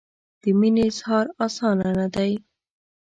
د مینې اظهار اسانه نه دی.